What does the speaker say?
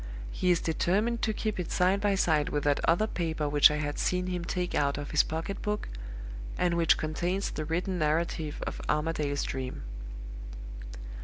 He is determined to keep it side by side with that other paper which I had seen him take out of his pocket book, and which contains the written narrative of Armadale's Dream.